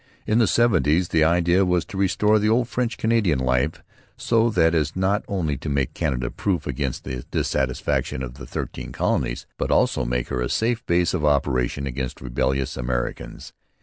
In the seventies the idea was to restore the old French Canadian life so as not only to make Canada proof against the disaffection of the Thirteen Colonies but also to make her a safe base of operations against rebellious Americans.